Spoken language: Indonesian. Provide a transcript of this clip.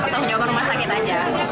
tahu tahu jawaban rumah sakit aja